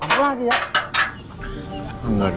waalaikumsalam warahmatullahi wabarakatuh